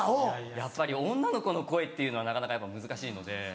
やっぱり女の子の声っていうのはなかなかやっぱ難しいので。